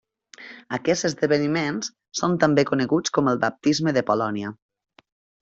Aquests esdeveniments són també coneguts com el baptisme de Polònia.